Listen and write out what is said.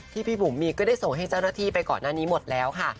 พี่บุ๋มมีก็ได้ส่งให้เจ้าหน้าที่ไปก่อนหน้านี้หมดแล้วค่ะ